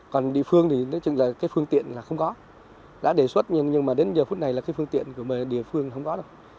còn địa phương thì nói chung là cái phương tiện là không có